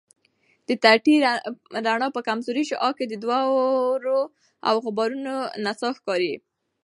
د تتي رڼا په کمزورې شعاع کې د دوړو او غبارونو نڅا ښکاري.